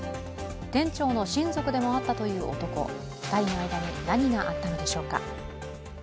店長の親族でもあったという男２人の間に何があったのでしょうか。